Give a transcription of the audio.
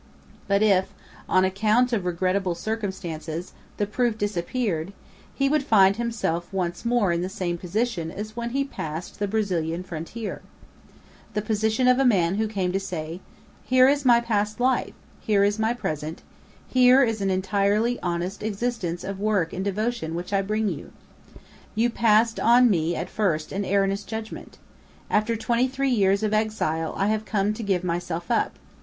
But if, on account of regrettable circumstances, the proof disappeared, he would find himself once more in the same position as when he passed the Brazilian frontier the position of a man who came to say, "Here is my past life; here is my present; here is an entirely honest existence of work and devotion which I bring you. You passed on me at first an erroneous judgment. After twenty three years of exile I have come to give myself up!